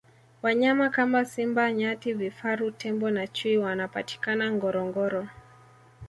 wanyama kama simba nyati vifaru tembo na chui wanapatikana ngorongoro